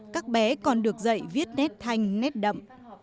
các bé còn được dạy viết nét thanh nét đậm